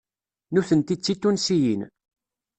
Nutenti d Titunsiyin.